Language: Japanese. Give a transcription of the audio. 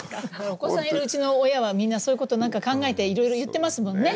お子さんがいるうちの親はみんなそういうこと何か考えていろいろ言ってますもんね